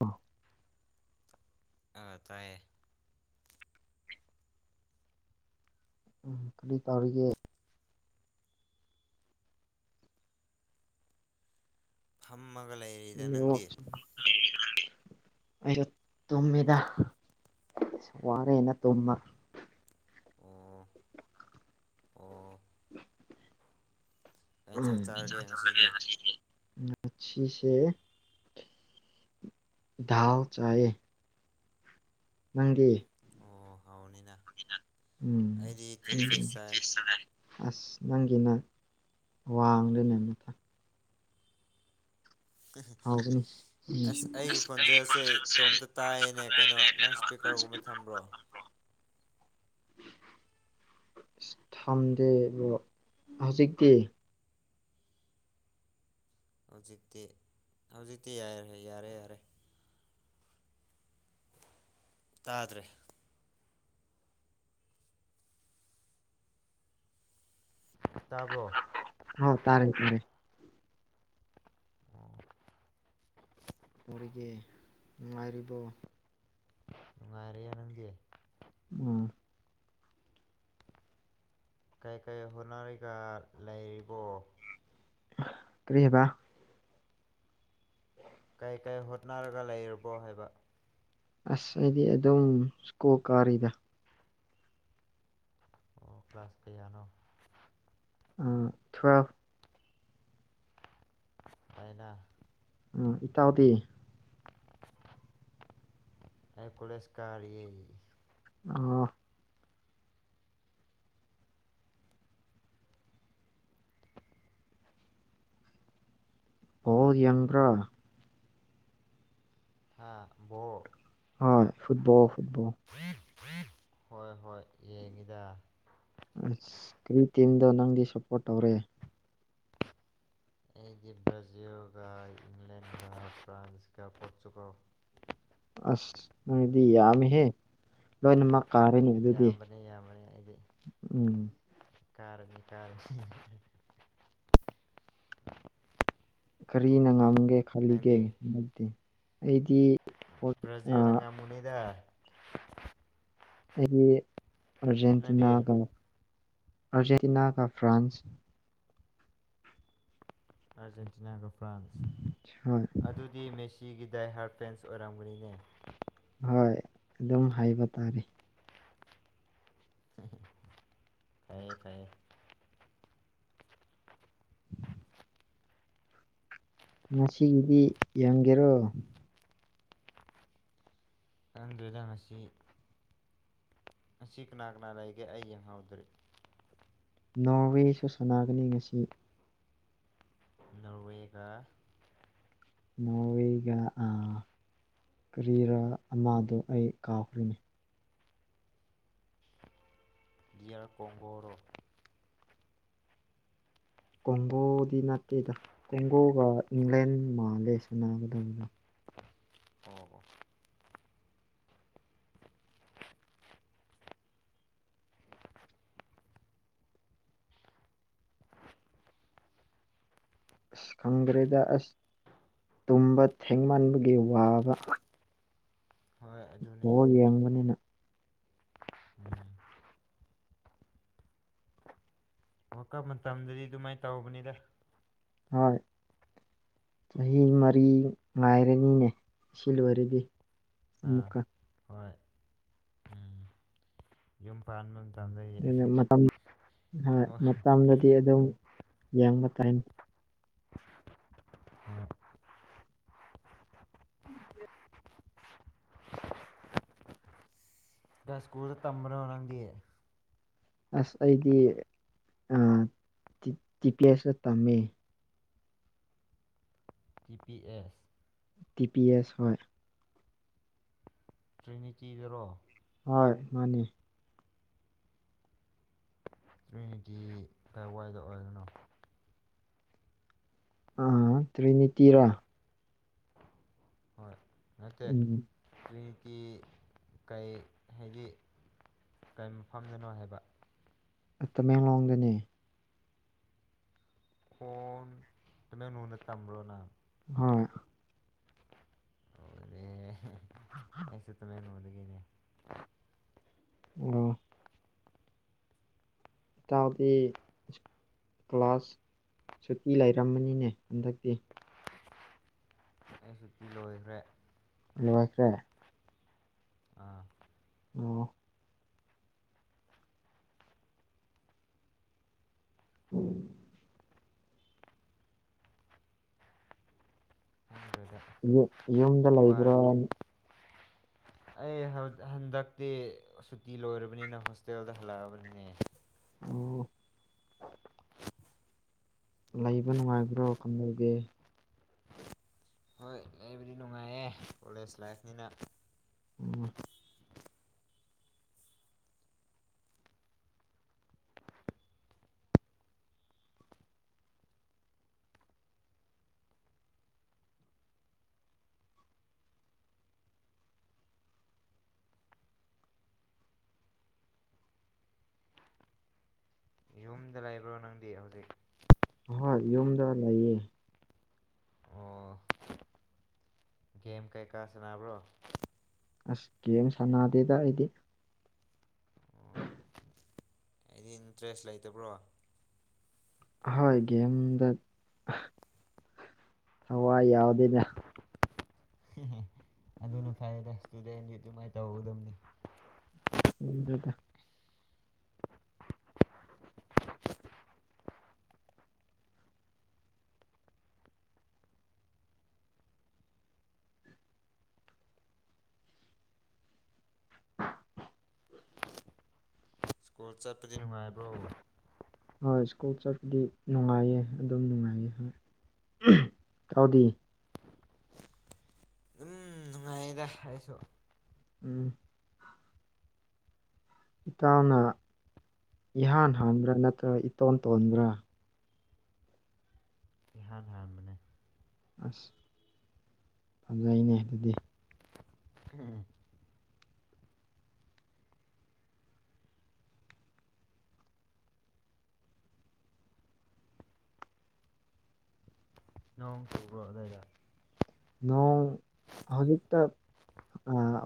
ꯑ ꯑ ꯇꯥꯏꯌꯦ ꯎꯝ ꯀꯔꯤ ꯇꯧꯔꯤꯒꯦ ꯊꯝ ꯑꯣ ꯑꯕꯇꯣꯃꯤꯗꯥ ꯑꯁ ꯋꯥꯔꯦꯅ ꯇꯨꯝꯃ ꯑꯣ ꯑꯣ ꯀꯩ ꯌꯦꯟꯁꯥꯡ ꯆꯥꯔꯒꯦ ꯉꯁꯤꯗꯤ ꯎꯝꯁꯤꯁꯦ ꯙꯜ ꯆꯥꯦ ꯅꯪꯒꯤ ꯑꯣ ꯍꯥꯎꯅꯤꯅ ꯑꯩꯗꯤ ꯎꯝꯔꯦ ꯇꯤꯟꯐꯤꯁ ꯆꯥꯏ ꯑꯁ ꯅꯪꯒꯤ ꯅꯪ ꯋꯥꯡꯗꯅꯦ ꯃꯊ ꯒ ꯑꯁ ꯑꯩꯒꯤ ꯎ ꯈꯣꯟꯖꯦꯜꯁꯦ ꯑꯩꯣꯟꯖꯦꯜꯁꯦ ꯆ ꯨꯝꯕ ꯊꯝꯕ꯭ꯔꯣ ꯊꯝꯗꯦ ꯍꯧꯖꯤꯛꯇꯤ ꯍꯧꯖꯤꯛꯇꯤ ꯍꯧꯖꯤꯛꯇꯤ ꯌꯥꯦ ꯌꯥꯔꯦ ꯌꯥꯔꯦ ꯇꯥ ꯇ꯭ꯔꯦ ꯇꯥꯕ꯭ꯔꯣ ꯍꯣ ꯇꯔꯥꯏꯇꯅꯦ ꯑꯣ ꯆ ꯇꯔꯤꯒꯤ ꯅꯨꯡꯉꯥꯏꯔꯤꯕꯔꯤꯕꯣ ꯅꯨꯡꯉꯥꯏꯔꯦ ꯅꯪꯗꯤ ꯎꯝ ꯀꯩ ꯀꯩ ꯍꯣꯠꯅꯔꯤꯒ ꯂꯩꯔꯤꯕꯣ ꯀꯔꯤ ꯍꯥꯏꯕ ꯀꯩ ꯀꯩ ꯍꯣꯠꯅꯔꯒ ꯂꯩꯔꯕꯣ ꯍꯥꯏꯕ ꯑꯁ ꯑꯩꯗꯤ ꯑꯗꯨꯝ ꯁ꯭ꯀꯣ ꯀꯥꯔꯤꯗ ꯑꯣ ꯀ꯭ꯂꯥꯁ ꯀꯌꯥꯅꯣ ꯊꯨꯋꯦꯜꯦꯜꯞ ꯍꯥꯏꯥꯏꯅ ꯎꯝ ꯏꯠꯇꯥꯎꯗꯤ ꯑꯩ ꯀꯂꯦꯁꯀꯥ ꯑꯣ ꯑꯣꯣ ꯌꯕ꯭ꯔ ꯍꯥꯥ ꯣ ꯍꯣꯏ ꯐꯨꯠꯕꯣ ꯐꯨꯠꯕꯣꯜ ꯍꯣꯏ ꯍꯣꯏ ꯌꯦꯡꯉꯤꯗ ꯑꯁ ꯀꯔꯤ ꯇꯤꯝꯗꯣ ꯅꯪꯗꯤ ꯁꯞꯄꯣꯔꯠ ꯇꯧꯔꯦ [inaudible] ꯑꯩꯗꯤ ꯕ꯭ꯔꯥꯖꯤꯜꯒ ꯏꯪꯂꯦꯟꯒ ꯐ꯭ꯔꯥꯟꯁꯀ ꯄꯣꯔꯆꯨꯒꯜ ꯑꯁꯗꯤ ꯑꯃ ꯍꯦ ꯂꯣꯏꯅꯃꯛ ꯀꯥꯔꯅꯤ ꯑꯗꯨꯗꯤ ꯌꯥꯝꯕꯅꯦ ꯌꯥꯝꯕꯅꯦ ꯎꯝ ꯀꯔꯅꯤ ꯀꯔ ꯀꯔꯤꯅ ꯉꯝ ꯦ ꯈꯜꯂꯤꯒꯦ ꯃꯔꯛꯇꯗꯤ ꯑꯩꯗꯤ ꯕ꯭ꯔꯥꯖꯤꯜꯅ ꯉꯝꯃꯨꯅꯤꯗ ꯑꯩꯒꯤ ꯅꯪꯗꯤ ꯑꯔꯖꯦꯟꯇꯤꯅꯥꯒ ꯑꯔꯖꯦꯟꯇꯅꯥ ꯀ ꯐ꯭ꯔꯥꯟꯁ ꯑꯥꯔꯖꯦꯟꯇꯤꯅꯥꯒ ꯐ꯭ꯔꯥꯟꯁ ꯍꯣꯏ ꯑꯗꯨꯗꯤ ꯃꯦ ꯆꯤꯒꯤ ꯗꯥꯏ ꯍꯥꯔꯄꯦꯟꯁ ꯑꯣꯏꯔꯝꯒꯅꯤꯅꯦ ꯍꯣꯏ ꯑꯗꯨꯝ ꯍꯥꯏꯕ ꯇꯥꯔꯦ ꯐꯔꯌꯦꯦ ꯐꯔꯌꯦ ꯉꯒꯤꯗꯤ ꯌꯦꯡꯒꯦꯔꯣ ꯑꯗꯨꯗꯨꯗ ꯉꯁꯤ ꯑꯁꯤ ꯀꯅꯥ ꯀꯅꯥ ꯂꯩꯒꯦ ꯑꯩ ꯌꯦꯡꯍꯥꯎꯗ꯭ꯔꯦ ꯅꯣꯔꯋꯦꯁꯨ ꯁꯥꯟꯅꯒꯅꯤ ꯉꯁꯤ ꯅꯣꯔꯋꯦꯒ ꯅꯣꯋꯒ ꯑꯥ ꯀꯔꯤꯔ ꯑꯃꯗꯨꯣ ꯑꯩ ꯀꯥꯎꯈ꯭ꯔꯅꯤ ꯌꯥꯔ ꯀꯣꯣꯡꯝꯕꯣꯔꯣ ꯀꯣꯡꯒꯣꯗꯤ ꯅꯠꯇꯦꯗ ꯀꯣꯡꯒꯣꯒ ꯏꯪꯂꯦꯟ ꯃꯥꯜꯂꯦ ꯁ ꯅꯥꯒꯗꯕꯗ ꯇꯉꯕꯨ ꯑꯁ ꯈꯪꯈ꯭ꯔꯦꯗ ꯑꯁ ꯇꯨꯝꯕ ꯊꯦꯡꯃꯟꯕꯒꯤ ꯋꯥꯕ ꯍꯣꯏ ꯑꯗꯨꯅꯦ ꯑꯣ ꯌꯦꯡꯕꯅꯤꯅ ꯎꯝ ꯑꯣꯀ ꯃꯇꯝꯗꯗꯤ ꯑꯗꯨꯃꯥꯏꯅ ꯇꯧꯕꯅꯤꯗ ꯍꯣꯏ ꯆꯍꯤ ꯃꯔꯤ ꯉꯥꯏꯔꯅꯤꯅꯦ ꯑꯁꯤ ꯂꯣꯏꯔꯗꯤ ꯑꯥ ꯃꯨꯀꯥ ꯍꯣꯏ ꯐꯥꯟ ꯑꯗꯨ ꯃꯇꯝ ꯍꯣꯏ ꯃꯇꯝꯗꯗꯤ ꯑꯗꯨꯝ ꯌꯥꯡꯕ ꯇꯥꯏꯅꯤ [inaudible] ꯀ ꯁ꯭ꯀꯨꯜ ꯗ ꯇꯝꯕꯅꯣ ꯅꯪꯗꯤ ꯑꯁ ꯑꯩꯗꯤ ꯑ ꯇꯤ ꯇꯤ ꯄꯤ ꯑꯦꯁꯇ ꯇꯝꯃꯦ T P S T P S ꯍꯣꯏ ꯇ꯭ꯔꯤꯅꯤꯇꯤꯗꯔꯣ ꯍꯣꯏ ꯃꯥꯅꯤ ꯀꯃ꯭ꯌꯨꯅꯤꯇꯤ ꯀꯥꯏꯋꯥꯏꯗ ꯑꯣꯏꯒꯅꯣ ꯑ ꯇ꯭ꯔꯤꯅꯤꯇꯤꯔꯥ ꯍꯣꯏ ꯅꯠꯇꯦ ꯎꯝ ꯇ꯭ꯔꯤ ꯇꯤ ꯀꯩ ꯍꯥꯏꯗꯤ ꯀꯩ ꯃꯐꯝꯗꯅꯣ ꯍꯥꯏꯕ ꯇꯃꯦꯡꯂꯣꯡꯗꯅꯦ ꯑꯣ ꯇꯃꯦꯡꯂꯣꯡꯗ ꯇꯝꯕ꯭ꯔꯣ ꯅ ꯍꯣꯏ ꯑꯩꯁꯦ ꯇꯃꯦꯡꯂꯣꯡꯗꯒꯤꯅꯦ ꯑꯣ ꯏꯇꯥꯎꯗꯤ ꯀ꯭ꯂꯥꯁ ꯁꯨꯇꯤ ꯂꯩꯔꯝꯕꯅꯤꯅꯦ ꯍꯟꯗꯛꯇꯤ ꯑꯩ ꯁꯨꯇꯤ ꯂꯣꯏꯈ꯭ꯔꯦ ꯂꯣꯏꯈ꯭ꯔꯦ ꯑꯥ ꯑꯣ [unintelligible] ꯈꯪꯗ꯭ꯔꯦꯗ ꯌꯨꯛ ꯌꯨꯝꯗ ꯂꯩꯕ꯭ꯔꯣ ꯋꯥꯔꯦ ꯑꯟ [inaudible] ꯑꯩ ꯍꯜ ꯍꯟꯗꯛꯇꯤ ꯁꯨꯇꯤ ꯂꯣꯏꯔꯕꯅꯤꯅ ꯍꯣꯁꯇꯦꯜꯗ ꯍꯜꯂꯛꯑꯕꯅꯤꯅꯦ ꯑꯣ ꯂꯩꯕ ꯅꯨꯡꯉꯥꯏꯕ꯭ꯔꯣ ꯀꯝꯗꯧꯒꯦ ꯍꯣꯏ ꯑꯩꯕꯨꯗꯤ ꯅꯨꯡꯉꯥꯏꯌꯦ ꯀꯣꯂꯦꯁ ꯂꯥꯏꯐꯅꯤꯅ ꯑꯣ ꯌꯨꯝꯗ ꯂꯩꯕ꯭ꯔꯣ ꯅꯪꯗꯤ ꯍꯧꯖꯤꯛ ꯍꯣꯏ ꯌꯨꯝꯗ ꯂꯩꯌꯦ ꯑꯣ ꯒꯦꯝ ꯀꯩꯀꯥ ꯁꯅꯥꯕ꯭ꯔꯣ ꯑꯁ ꯒꯦꯝ ꯁꯟꯅꯥꯗꯦꯗ ꯑꯩꯗꯤ ꯑꯣ ꯑꯩꯗꯤ ꯏꯟꯇ꯭ꯔꯦꯁ ꯂꯩꯇꯕ꯭ꯔꯣ ꯍꯣꯏ ꯒꯦꯝꯗ ꯑꯍ ꯊꯋꯥꯏ ꯌꯥꯎꯗꯦꯗ ꯑꯩꯅ ꯏꯁꯇꯨꯗꯦꯟꯒꯤ ꯑꯗꯨꯃꯥꯏꯅ ꯇꯧꯒꯗꯝꯅꯤ ꯈꯪꯗꯦꯗ ꯀꯨꯜ ꯆꯠꯄꯗꯤ ꯅꯨꯡꯉꯥꯏꯕ꯭ꯔꯣ ꯍꯣꯏ ꯁ꯭ꯀꯨꯜ ꯆꯠꯄꯗꯤ ꯅꯨꯡꯉꯥꯏꯌꯦ ꯑꯗꯨꯝ ꯅꯨꯡꯉꯥꯏꯌꯦ ꯍꯣꯏ ꯏꯇꯥꯎꯗꯤ ꯑꯩꯗ ꯍꯥꯏꯁꯨ ꯎꯝ ꯏꯇꯥꯎꯅ ꯏꯍꯥꯟ ꯍꯥꯟꯕ꯭ꯔ ꯅꯠꯇ꯭ꯔꯒ ꯏꯇꯣꯟ ꯇꯣꯟꯕ꯭ꯔꯥ ꯏꯍꯥꯟ ꯍꯥꯟꯕꯅꯦ ꯑꯁ ꯐꯖꯩꯅꯦ ꯑꯗꯨꯗꯤ ꯅꯣꯡ ꯆꯨꯕ꯭ꯔꯣ ꯑꯗ꯭ꯋꯥꯏꯗ ꯅꯣꯡ ꯍꯧꯖꯤꯛꯇ ꯑꯥ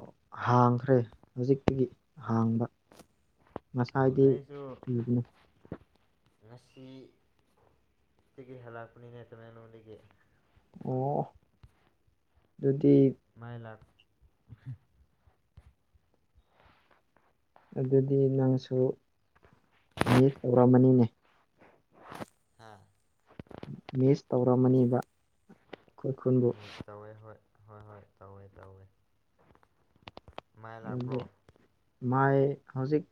ꯍꯥꯡꯈ꯭ꯔꯦ ꯍꯧꯖꯤꯛꯇꯒꯤ ꯍꯥꯡꯕ ꯑꯣ ꯉꯁꯥꯏꯗꯤ ꯑꯩꯁꯨ ꯆꯨꯕꯅꯤ ꯉꯁꯤ ꯗꯒꯤ ꯍꯜꯂꯛꯄꯅꯤꯅꯦ ꯇꯧꯦꯡꯂꯣꯡꯗꯒꯤ ꯑꯣ ꯑꯗꯨꯗꯤ ꯃꯥꯏ ꯂꯥꯏꯞ ꯑꯗꯨꯗꯤ ꯅꯪꯁꯨ ꯃꯤꯁ ꯇꯧꯔꯝꯃꯅꯤꯅꯦ ꯍꯥ ꯃꯤꯁ ꯇꯧꯔꯝꯃꯅꯤꯕ ꯈꯨꯔꯈꯨꯟꯕꯨ ꯇꯧꯋꯦ ꯍꯣꯏ ꯍꯣꯏ ꯍꯣꯏ ꯇꯧꯋꯦ ꯇꯧꯋꯦ ꯃꯥꯏ ꯂꯥꯛꯄ꯭ꯔꯣ ꯑꯗꯨꯗꯤ ꯃꯥꯏ ꯍꯧꯖꯤꯛ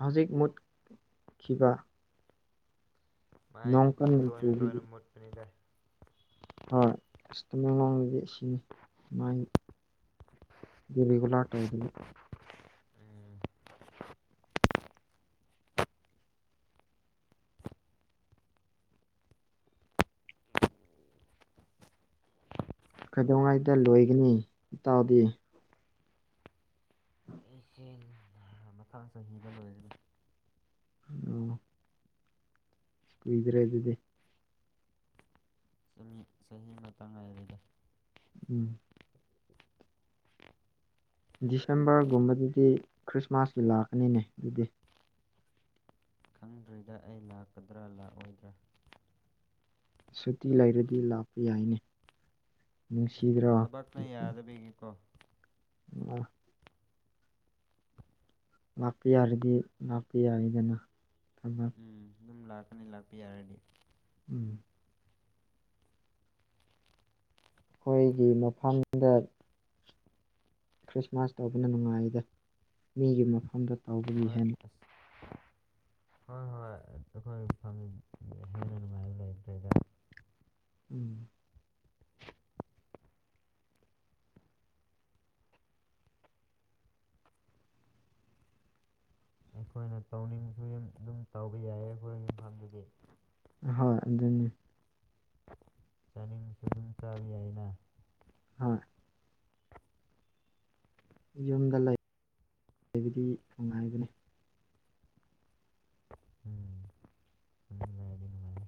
ꯍꯧꯖꯤꯛ ꯃꯨꯠꯈꯤꯕ ꯃꯥꯏꯁꯤ ꯅꯣꯡ ꯑꯗꯨꯝ ꯀꯟꯅ ꯇꯣꯏꯅ ꯆꯨꯕꯒꯤ ꯇꯣꯏꯅ ꯃꯨꯠꯄꯅꯤꯗ ꯍꯣꯏ ꯑꯁ ꯇꯃꯦꯡꯂꯣꯡꯗꯗꯤ ꯑꯁꯤꯅꯤ ꯃꯥꯏ ꯔꯤꯔꯤꯒꯨ ꯂꯥꯠ ꯇꯧꯗꯕ ꯎꯝ ꯀꯩꯗꯧꯉꯥꯏꯗ ꯂꯣꯏꯒꯅꯤ ꯏꯇꯥꯎꯗꯤ ꯑꯩꯁꯦ [inaudible] ꯃꯊꯪ ꯆꯍꯤꯗ ꯂꯣꯏꯔꯅꯤ ꯑꯣ ꯀꯨꯏꯗ꯭ꯔꯦ ꯑꯗꯨꯗꯤ ꯆꯍꯤ ꯆꯍꯤ ꯃꯇ ꯉꯥꯏꯔꯤꯗ ꯎꯝ ꯗꯤꯁꯦꯝꯕꯔꯒꯨꯝꯕꯗꯗꯤ ꯈ꯭ꯔꯤꯁꯃꯥꯁꯀꯤ ꯂꯥꯛꯀꯅꯤꯅꯦ ꯑꯗꯨꯗꯤ ꯈꯪꯗ꯭ꯔꯤꯗ ꯑꯩ ꯂꯥꯛꯀꯗ꯭ꯔꯥ ꯂꯥꯛꯑꯣꯏꯗ꯭ꯔꯥ ꯁꯨꯇꯤ ꯂꯩꯔꯗꯤ ꯂꯥꯛꯄ ꯌꯥꯏꯅꯦ ꯅꯪ ꯎꯝ ꯊꯕꯛꯅ ꯌꯥꯗꯕꯩꯒꯔꯀꯣ ꯑ ꯂꯥꯛꯄ ꯌꯥꯔꯗꯤ ꯂꯥꯛꯄꯤ ꯌꯥꯏꯗꯅ ꯊꯝꯃ ꯎꯝ ꯑꯗꯨꯝ ꯂꯥꯛꯀꯅꯤ ꯂꯥꯛꯄꯤ ꯌꯥꯔꯗꯤ ꯎꯝ ꯑꯩꯈꯣꯏꯒꯤ ꯃꯐꯝꯗ ꯈ꯭ꯔꯤꯁꯃꯥꯁ ꯇꯧꯕꯅ ꯅꯨꯡꯉꯥꯏꯗ ꯃꯤꯒꯤ ꯃꯐꯝꯗ ꯇꯧꯕꯒꯤ ꯍꯣꯏ ꯍꯦꯟꯅ ꯑꯁ ꯍꯣꯏ ꯍꯣꯏ ꯑꯩꯈꯣꯏ ꯐꯪ ꯍꯦꯟꯅ ꯅꯨꯡꯉꯥꯏꯕ ꯂꯩꯇ꯭ꯔꯦꯗ ꯎꯝ ꯑꯩꯈꯣꯏꯅ ꯇꯧꯅꯤꯡꯕꯁꯨ ꯑꯗꯨꯝ ꯇꯧꯕ ꯌꯥꯏ ꯑꯩꯈꯣꯏ ꯃꯐꯝꯗꯨꯗꯤ ꯍꯣꯏ ꯑꯗꯨꯅꯤ ꯆꯥꯅꯤꯡꯕꯁꯨ ꯑꯗꯨꯝ ꯆꯥꯕ ꯌꯥꯏꯅ ꯍꯣꯏ ꯌꯨꯝꯗ ꯂꯩ ꯍꯥꯏꯕꯗꯤ ꯅꯨꯡꯉꯥꯏꯒꯅꯤ ꯎꯝ ꯅꯪ ꯂꯩꯔꯗꯤ ꯅꯨꯡꯉꯥꯏꯅꯤ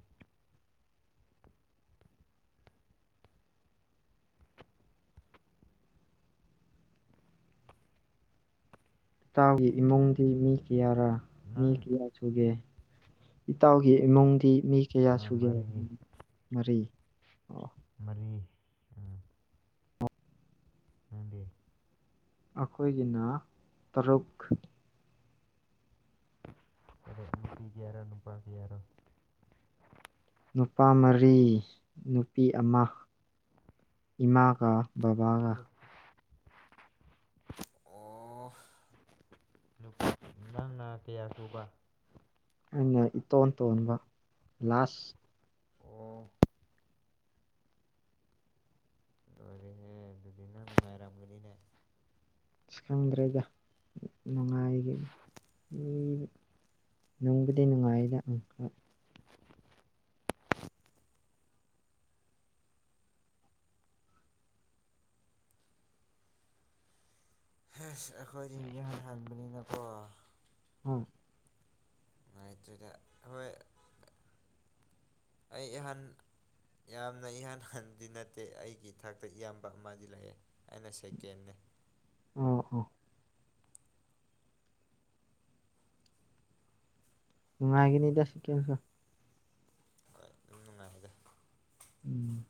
ꯏꯇꯥꯎꯒꯤ ꯏꯃꯨꯡꯗꯤ ꯃꯤ ꯀꯌꯥꯔꯥ ꯃꯤ ꯅꯪ ꯀꯌꯥ ꯁꯨꯒꯦ ꯏꯇꯥꯎꯒꯤ ꯏꯃꯨꯡꯗꯤ ꯃꯤ ꯀꯌꯥ ꯑꯥ ꯁꯨꯒꯦ ꯃꯔꯤ ꯃꯔꯤ ꯑꯣ ꯃꯔꯤ ꯎꯝ ꯅꯪꯗꯤ ꯑꯈꯣꯏꯒꯤꯅ ꯇꯔꯨꯛ [unintelligible] ꯅꯨꯄꯤꯒꯤ ꯍꯥꯏꯔꯣ ꯅꯨꯄꯥꯒꯤ ꯍꯥꯏꯔꯣ ꯅꯨꯄꯥ ꯃꯔꯤ ꯅꯨꯄꯤ ꯑꯃ ꯏꯃꯥꯒ ꯕꯕꯥꯒ ꯥꯅꯨꯄꯥ ꯅꯪꯅ ꯀꯌꯥ ꯁꯨꯕ ꯑꯩꯅ ꯏꯇꯣꯟ ꯇꯣꯟꯕ ꯂꯥꯁ ꯑꯣ ꯂꯣꯏꯔꯦꯍꯦ ꯑꯗꯨꯗꯤ ꯅꯪ ꯅꯨꯡꯉꯥꯏꯔꯝꯒꯅꯤꯅꯦ ꯑꯁ ꯈꯪꯗ꯭ꯔꯦꯗ ꯅꯨꯡꯉꯥꯏꯒꯤ [unintelligible] ꯅꯨꯡꯕꯨꯗꯤ ꯅꯨꯡꯉꯥꯏꯗ ꯑꯪꯀꯜ ꯍꯁ ꯑꯩꯈꯣꯏꯗꯤ ꯏꯍꯥꯟ ꯍꯥꯟꯕꯅꯤꯅꯀꯣ ꯍꯣꯏ ꯅꯨꯡꯉꯥꯏꯇ꯭ꯔꯦꯗ ꯍꯣꯏ ꯑꯩ ꯏꯍꯥꯟ ꯌꯥꯝꯅ ꯏꯍꯥꯟ ꯍꯥꯟꯕꯗꯤ ꯅꯠꯇꯦ ꯑꯩꯒꯤ ꯏꯊꯛꯇ ꯏꯌꯥꯝꯕ ꯑꯃꯗꯤ ꯂꯩꯌꯦ ꯑꯩꯅ ꯁꯦꯀꯦꯟꯅꯦ [inaudible] ꯑꯣ ꯑꯣ ꯉꯥꯏꯒꯤꯅꯤꯗ ꯁꯦꯀꯦꯟꯁꯨ ꯍꯣꯏ ꯑꯗꯨꯝ ꯅꯨꯡꯉꯥꯏꯗ ꯎꯝ